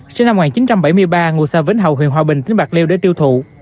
sinh năm một nghìn chín trăm bảy mươi ba ngụ xã vĩnh hậu huyện hòa bình tỉnh bạc liêu để tiêu thụ